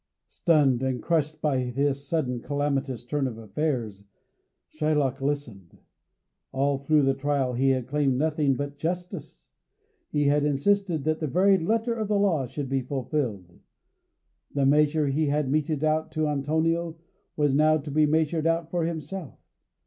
Stunned and crushed by this sudden calamitous turn of affairs, Shylock listened. All through the trial he had claimed nothing but "justice"; he had insisted that the very letter of the law should be fulfilled. The measure he had meted out to Antonio was now to be measured out for himself.